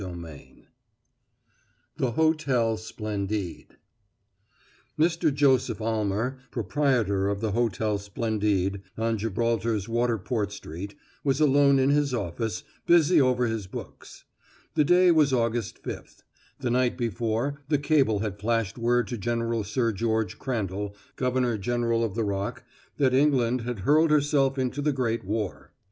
CHAPTER VII THE HOTEL SPLENDIDE Mr. Joseph Almer, proprietor of the Hotel Splendide, on Gibraltar's Waterport Street, was alone in his office, busy over his books. The day was August fifth. The night before the cable had flashed word to General Sir George Crandall, Governor general of the Rock, that England had hurled herself into the great war.